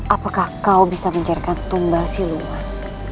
apakah kau bisa mencairkan tumbal siluman